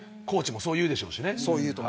コーチもそう言うでしょうしね。